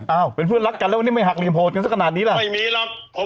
เอ้าเป็นเพื่อนรักกันแล้ววันนี้ไม่หักเหลี่ยโหดกันสักขนาดนี้แหละไม่มีหรอก